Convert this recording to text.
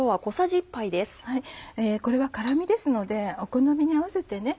これは辛みですのでお好みに合わせてね。